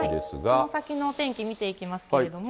この先のお天気見ていきますけれども。